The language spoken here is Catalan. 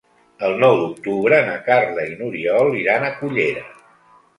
El nou d'octubre na Carla i n'Oriol iran a Cullera.